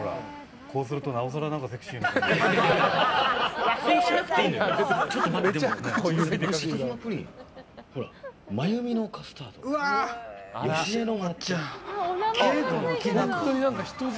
こうするとなおさらセクシーな感じ。